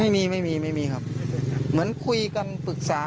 ไม่มีไม่มีครับเหมือนคุยกันปรึกษา